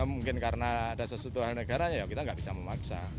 mungkin karena ada sesuatu hal negara ya kita nggak bisa memaksa